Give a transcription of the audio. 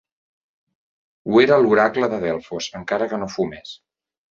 Ho era l'oracle de Delfos, encara que no fumés.